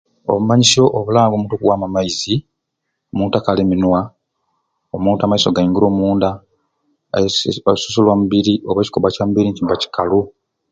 Obumanyisyo obulanga omuntu okuwamu amaizi omuntu akala eminywa, omuntu amaiso gaingiira omunda, ekisusu olususu oba ekikobba kyambiri nikibba kikalu.